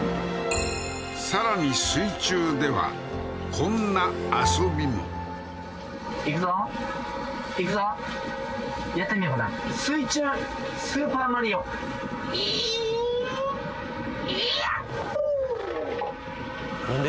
さらに水中ではこんな遊びもいくぞいくぞやってみよかななんで？